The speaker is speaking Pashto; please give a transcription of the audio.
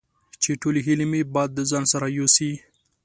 چې ټولې هیلې مې باد د ځان سره یوسي